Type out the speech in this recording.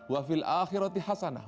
wa fil akhirati hasanah